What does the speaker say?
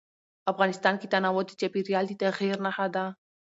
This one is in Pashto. افغانستان کې تنوع د چاپېریال د تغیر نښه ده.